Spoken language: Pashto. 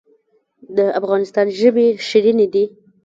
د افغانستان ژبې شیرینې دي